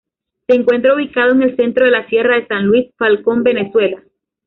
Se encuentra ubicado en el centro de la sierra de San Luis, Falcón, Venezuela.